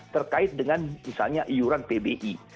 terkait dengan misalnya iuran pbi